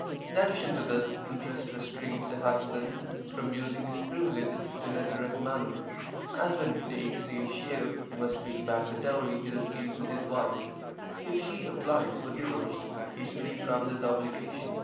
In addition to this, interest restrains a husband from using his privileges in a direct manner, as when he takes the initiative he must pay back the dowry he received with his wife. If she applies for divorce, he is free from this obligation.